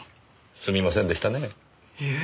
すみませんでしたねえ。